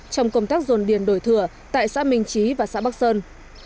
trong công tác dồn điền đổi thừa tại xã minh trí và xã bắc sơn